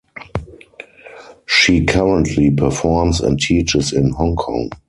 She currently performs and teaches in Hong Kong.